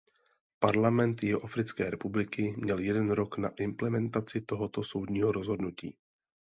Parlament Jihoafrické republiky měl jeden rok na implementaci tohoto soudního rozhodnutí.